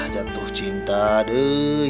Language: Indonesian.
jatuh cinta deh